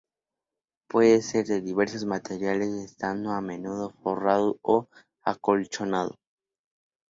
Puede ser de diversos materiales, estando a menudo forrado o acolchado.